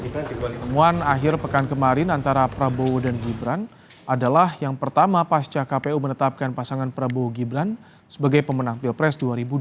pertemuan akhir pekan kemarin antara prabowo dan gibran adalah yang pertama pasca kpu menetapkan pasangan prabowo gibran sebagai pemenang pilpres dua ribu dua puluh